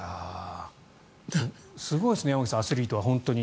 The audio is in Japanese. すごいですね山口さんアスリートは本当に。